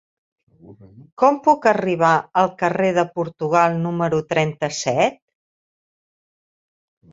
Com puc arribar al carrer de Portugal número trenta-set?